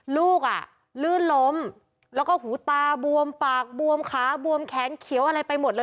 ลูกอ่ะลื่นล้มแล้วก็หูตาบวมปากบวมขาบวมแขนเขียวอะไรไปหมดเลย